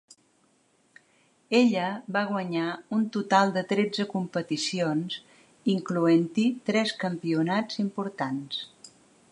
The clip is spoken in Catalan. Ella va guanyar un total de tretze competicions, incloent-hi tres campionats importants.